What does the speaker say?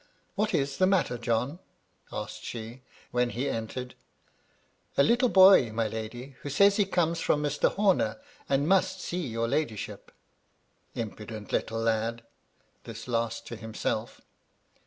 " What is the matter, John ?" asked she, when he entered. " A little boy, my lady, who says he comes from Mr. Homer, and must see your ladyship. Impudent little lad!" (this last to himself.)